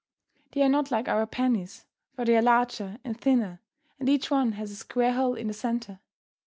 They are not like our pennies, for they are larger and thinner, and each one has a square hole in the centre.